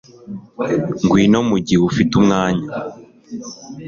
Ngwino mugihe ufite umwanya